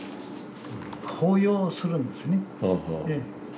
法要をするんですねええ。